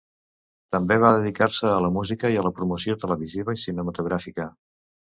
També va dedicar-se a la música i a la promoció televisiva i cinematogràfica.